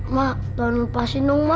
ma jangan lupa sih nung ma